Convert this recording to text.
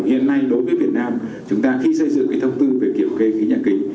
hiện nay đối với việt nam chúng ta khi xây dựng cái thông tin về kiểm kê khí nhà kính